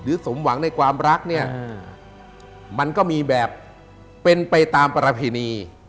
สมหวังในความรักเนี่ยมันก็มีแบบเป็นไปตามประเพณี